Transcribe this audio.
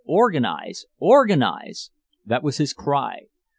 Organize! Organize!"—that was his cry.